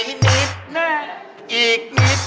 จะไปหน่ายนิด